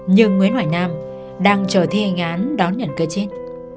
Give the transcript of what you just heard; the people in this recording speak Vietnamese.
nhưng nguyễn hoài nam đang chờ thi hành án đón nhận cây chết